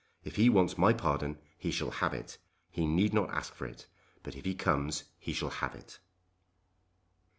If he wants my pardon he shall have it. He need not ask for it, but if he comes he shall have it."